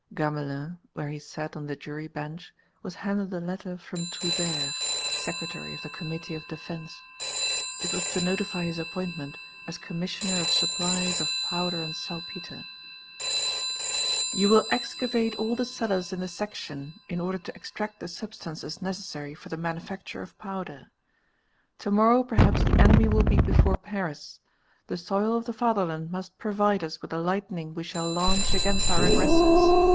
Gamelin, where he sat on the jury bench, was handed a letter from Trubert, Secretary of the Committee of Defence; it was to notify his appointment as Commissioner of Supplies of Powder and Saltpetre: _"You will excavate all the cellars in the Section in order to extract the substances necessary for the manufacture of powder. To morrow perhaps the enemy will be before Paris; the soil of the fatherland must provide us with the lightning we shall launch against our aggressors.